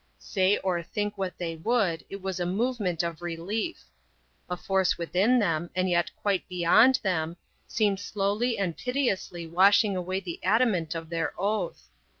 Say or think what they would, it was a movement of relief. A force within them, and yet quite beyond them, seemed slowly and pitilessly washing away the adamant of their oath.